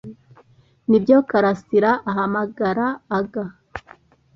"Nibyo karasira ahamagara aga